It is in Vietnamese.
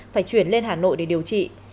phải chuyển lên hà nội để điều trị